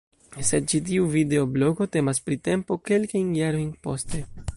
Sed ĉi tiu videoblogo temas pri tempo kelkajn jarojn poste.